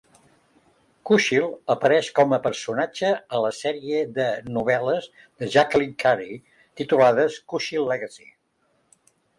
Kushiel apareix com a personatge a la sèrie de novel·les de Jacqueline Carey titulades "Kushiel's Legacy".